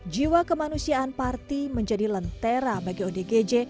jiwa kemanusiaan parti menjadi lentera bagi odgj